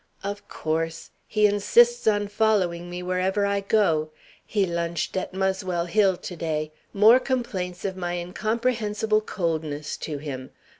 "Of course. He insists on following me wherever I go. He lunched at Muswell Hill today. More complaints of my incomprehensible coldness to him.